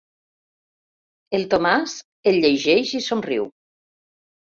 El Tomàs el llegeix i somriu.